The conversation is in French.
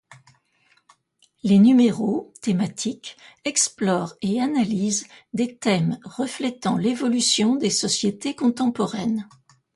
Les numéros, thématiques, explorent et analysent des thèmes reflétant l’évolution des sociétés contemporaines.